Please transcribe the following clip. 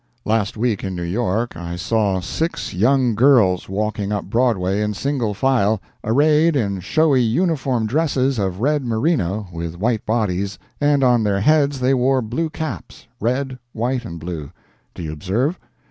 Last week, in New York, I saw six young girls walking up Broadway in single file, arrayed in showy uniform dresses of red merino, with white bodies, and on their heads they wore blue caps—red, white and blue, do you observe?